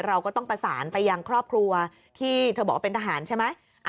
เราก็ต้องประสานไปยังครอบครัวที่เธอบอกว่าเป็นทหารใช่ไหม